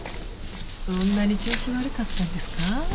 そんなに調子悪かったんですか？